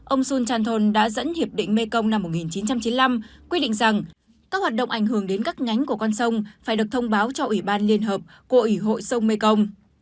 ông sul chanton đã dẫn hiệp định mekong năm một nghìn chín trăm chín mươi năm quy định rằng các hoạt động ảnh hưởng đến các nhánh của con sông phải được thông báo cho ủy ban liên hợp của ủy hội sông mekong